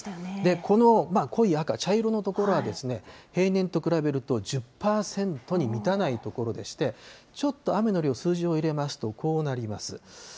この濃い赤、茶色の所は平年と比べると１０％に満たない所でして、ちょっと雨の量、数字を入れますとこうなります。